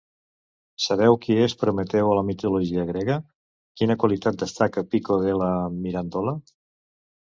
Sabeu qui és Prometeu a la mitologia grega? Quina qualitat destaca Pico della Mirandola?